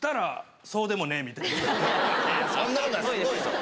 そんなことないすごいでしょ。